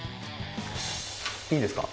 いいですか？